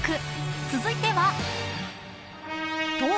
［続いては］